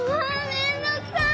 めんどうくさい！